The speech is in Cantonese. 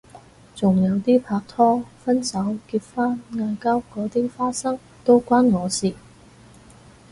仲有啲拍拖分手結婚嗌交嗰啲花生都關我事